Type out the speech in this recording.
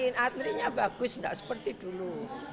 antrinya bagus nggak seperti dulu